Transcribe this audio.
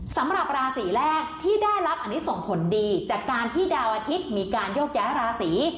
สำหรับราศีแรกที่ได้รับอันนี้ส่งผลดีจากการที่ดาวอาทิตย์มีการโยกย้ายราศี